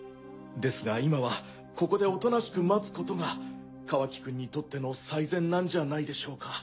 ですが今はここでおとなしく待つことがカワキくんにとっての最善なんじゃないでしょうか。